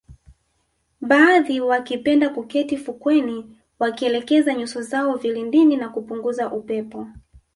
Baadhi wakipenda kuketi fukweni wakielekeza nyuso zao vilindini na kupunga upepo